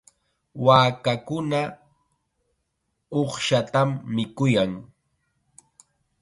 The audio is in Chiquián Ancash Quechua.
Waakakuna uqshatam mikuyan.